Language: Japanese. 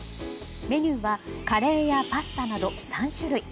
メニューはカレーやパスタなど３種類。